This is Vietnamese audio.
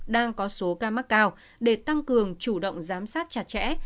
đang có số ca mắc cao để tăng cường chủ động giám sát chặt chẽ